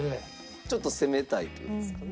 ちょっと攻めたいという事ですかね？